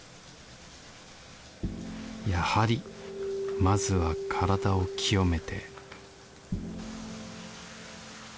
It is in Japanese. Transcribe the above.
やはりまずは体を清めて